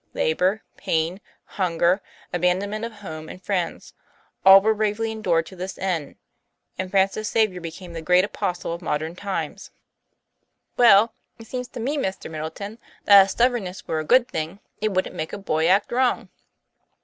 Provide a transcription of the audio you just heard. Labor, pain, hunger, abandonment of home and friends all were bravely endured to this end ; and Francis Xavier became the great apostle of modern times." 90 TOM PLA YFAIR. "Well, it seems to me, Mr. Middleton, that if stub bornness were a good thing, it wouldn't make a boy act wrong."